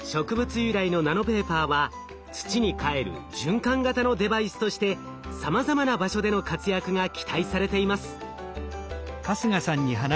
由来のナノペーパーは土にかえる循環型のデバイスとしてさまざまな場所での活躍が期待されています。